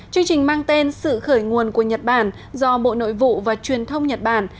chương trình mang tên sự khởi nguồn của nhật bản do bộ nội vụ và truyền thông nhật bản